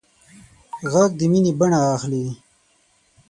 غږ د مینې بڼه اخلي